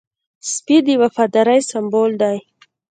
سپي د وفادارۍ سمبول دی.